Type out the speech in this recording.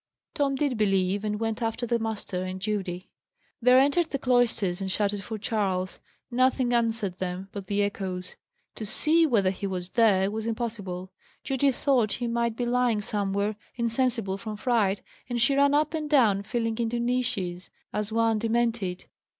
Tom did believe, and went after the master and Judy. They entered the cloisters, and shouted for Charles. Nothing answered them but the echoes. To see whether he was there, was impossible. Judy thought he might be lying somewhere, insensible from fright, and she ran up and down feeling into niches, as one demented.